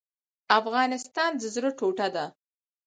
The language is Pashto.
افغانستان د زړه ټوټه ده